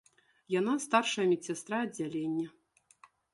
Яна старшая медсястра аддзялення.